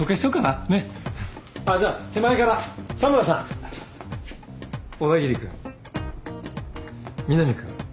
あっじゃあ手前から田村さん小田切君南君。